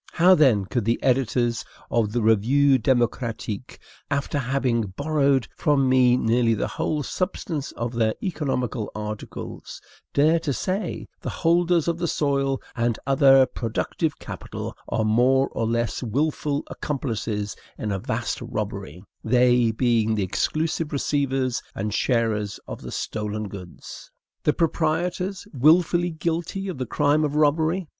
How, then, could the editors of the "Revue Democratique," after having borrowed from me nearly the whole substance of their economical articles, dare to say: "The holders of the soil, and other productive capital, are more or less wilful accomplices in a vast robbery, they being the exclusive receivers and sharers of the stolen goods"? The proprietors WILFULLY guilty of the crime of robbery!